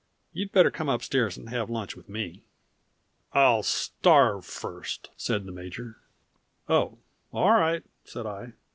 You'd better come upstairs and have lunch with me." "I'll starve first!" said the major. "Oh, all right," said I.